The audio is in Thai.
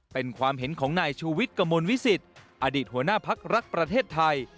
เป็นความเห็นของนายชูวิทย์กระมวลวิสิตอดีตหัวหน้าพักรักประเทศไทย